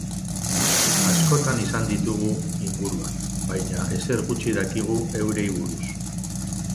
Askotan izan ditugu inguruan, baina ezer gutxi dakigu eurei buruz.